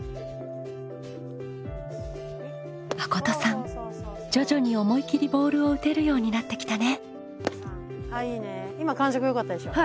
まことさん徐々に思い切りボールを打てるようになってきたね。